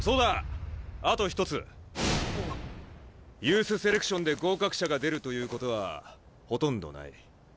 ユースセレクションで合格者が出るということはほとんどない。